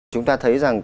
chúng ta thấy rằng